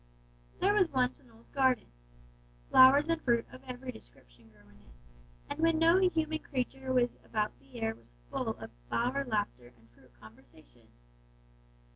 "There was once an old garden. Flowers and fruit of every description grew in it, and when no human creature was about the air was full of flower laughter and fruit conversation.